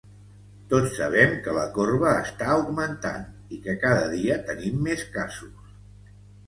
Tots sabem que la corba està augmentant i que cada dia tenim més casos.